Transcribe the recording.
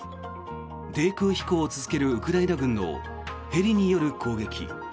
低空飛行を続けるウクライナ軍のヘリによる攻撃。